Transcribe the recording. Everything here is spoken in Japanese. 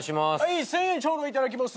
１，０００円ちょうど頂きます。